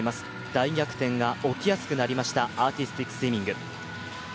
大逆転が起きやすくなりましたアーティスティックスイミング。